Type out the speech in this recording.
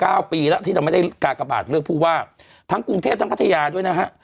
เก้าปีแล้วที่เราไม่ได้กากบาทเลือกผู้ว่าทั้งกรุงเทพทั้งพัทยาด้วยนะฮะ